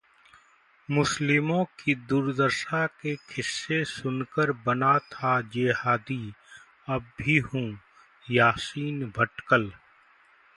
मुस्लिमों की दुर्दशा के किस्से सुनकर बना था जेहादी, अब भी हूं: यासीन भटकल